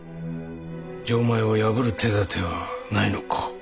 錠前を破る手だてはないのか？